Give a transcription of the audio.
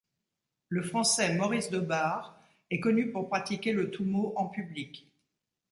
Le Français Maurice Daubard est connu pour pratiquer le toumo en public.